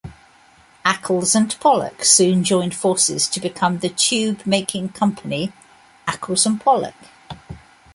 Accles and Pollock soon joined forces to become the tube-making company Accles and Pollock.